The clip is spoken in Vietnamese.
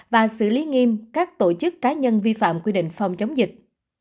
và xử lý nghiêm các tổ chức cá nhân vi phạm quy định phòng chống dịch